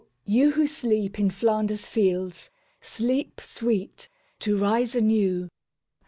you who sleep in Flanders Fields, Sleep sweet – to rise anew!